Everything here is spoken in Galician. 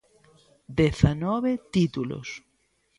Dezanove títulos.